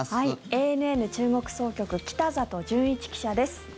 ＡＮＮ中国総局北里純一記者です。